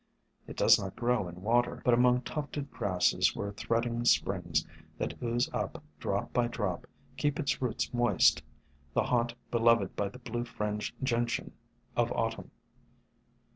It does not grow in water, but among tufted grasses where threading springs that ooze up, drop by drop, keep its roots moist, — the haunt beloved by the Blue Fringed Gentian of Autumn.